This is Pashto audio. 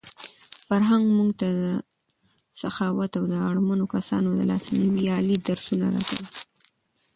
فرهنګ موږ ته د سخاوت او د اړمنو کسانو د لاسنیوي عالي درسونه راکوي.